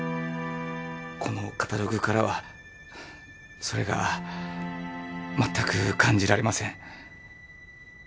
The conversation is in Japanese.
このカタログからはそれがまったく感じられません。